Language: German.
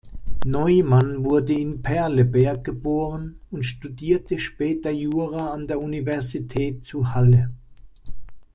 Neumann wurde in Perleberg geboren und studierte später Jura an der Universität zu Halle.